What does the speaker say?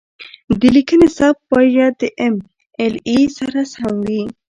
د لیکنې سبک باید د ایم ایل اې سره سم وي.